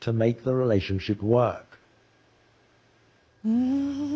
うん。